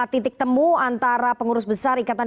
titik temu antara pengurus besar ikatan